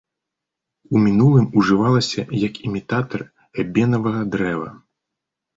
У мінулым ужывалася як імітатар эбенавага дрэва.